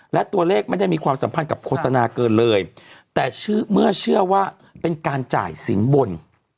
และตัวเลขไม่ได้มีความสัมพันธ์กับโฆษณาเกินเลยแต่เมื่อเชื่อว่าเป็นการจ่ายสินบน